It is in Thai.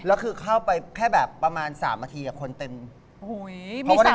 แล้วคือเข้าไปแค่แบบประมาณ๓นาทีคนเต็ม